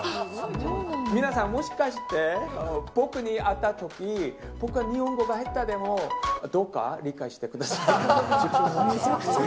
皆さん、もしかして僕に会ったとき、僕の日本が下手でも、どうか理解してください。